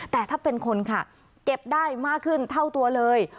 แต่ถ้าเป็นคนค่ะเก็บได้มากขึ้นเท่าตัวเลย